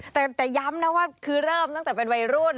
แต่ย้ำนะว่าคือเริ่มตั้งแต่เป็นวัยรุ่น